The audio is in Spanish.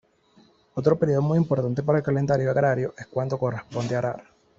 Otro período muy importante para el calendario agrario es cuando corresponde arar.